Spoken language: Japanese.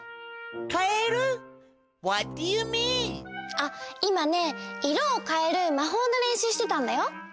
あっいまねいろをかえるまほうのれんしゅうしてたんだよ。